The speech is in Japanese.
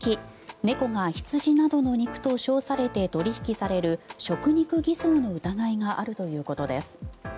猫が羊などの肉と称されて取引される食肉偽装の疑いがあるということです。